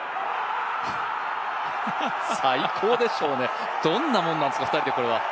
最高でしょうね、どんなもんなんですか、２人でこれは。